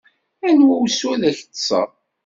Anwa usu ideg ad ṭṭseɣ.